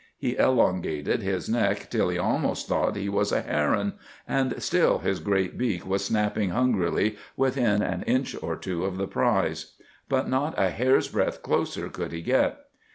He elongated his neck till he almost thought he was a heron, and till his great beak was snapping hungrily within an inch or two of the prize. But not a hair's breadth closer could he get.